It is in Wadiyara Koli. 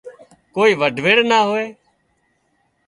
ڪوئي وڍويڙ نا هوئي